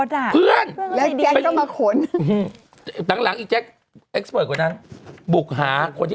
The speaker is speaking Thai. แล้วหลังจากเพื่อนมาให้พี่